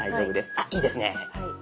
あっいいですね！